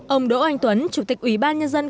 ông đỗ anh tuấn chủ tịch ủy ban nhân dân